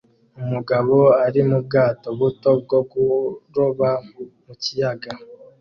Umugabo ari mu bwato buto bwo kuroba mu kiyaga